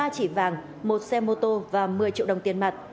ba chỉ vàng một xe mô tô và một mươi triệu đồng tiền mặt